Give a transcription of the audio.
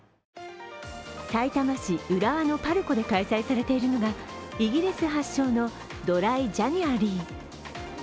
さいたま市浦和のパルコで開催されているのがイギリス発祥のドライ・ジャニュアリー。